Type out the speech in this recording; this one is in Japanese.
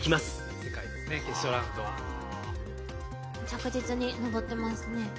着実に上ってますね。